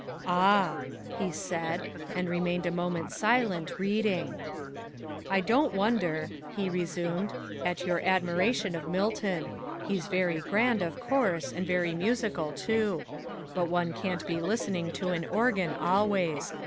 "Ah!" he said and remained a moment silent, reading. "I don't wonder," he resumed, "at your admiration of Milton. He's very grand, of course, and very musical, too; but one can't be listening to an organ always.